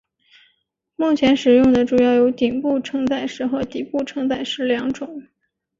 目前使用的主要有顶部承载式和底部承载式两种。